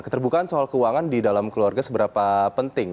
keterbukaan soal keuangan di dalam keluarga seberapa penting